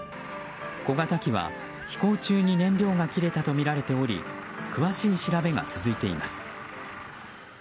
小型機は飛行中に燃料が切れたとみられており詳しい調べが続いています。